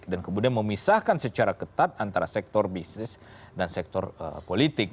kemudian memisahkan secara ketat antara sektor bisnis dan sektor politik